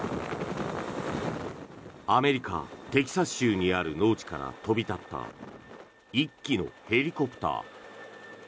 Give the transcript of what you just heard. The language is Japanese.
アメリカ・テキサス州にある農地から飛び立った１機のヘリコプター。